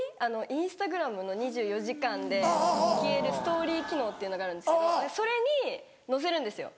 インスタグラムの２４時間で消えるストーリー機能っていうのがあるんですけどそれに載せるんですよ。